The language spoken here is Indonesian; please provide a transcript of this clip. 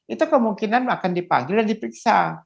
itu kemungkinan akan dipanggil dan diperiksa